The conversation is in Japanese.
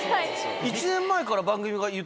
１年前から番組が言ってたの？